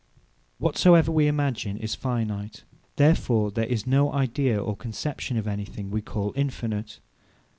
Whatsoever we imagine, is Finite. Therefore there is no Idea, or conception of anything we call Infinite.